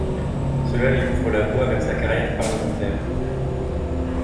Cela lui ouvre la voie vers sa carrière parlementaire.